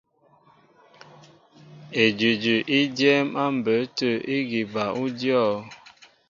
Edʉdʉ í dyɛ́ɛ́m á mbə̌ tə̂ ígi bal ú dyɔ̂.